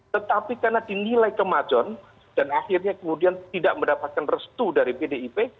tetapi karena dinilai kemajon dan akhirnya kemudian tidak mendapatkan restu dari pdip